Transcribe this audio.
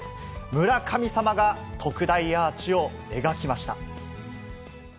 村神様が特大アーチを描きました。